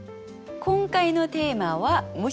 今回のテーマは「虫」。